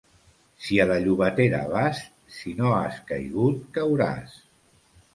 Si a la Llobatera vas, si no has caigut cauràs.